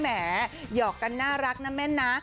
แหมหยอกกันน่ารักนะแม่นนะ